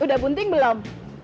udah bunting belum